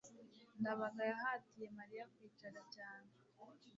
ndabaga yahatiye mariya kwicara cyane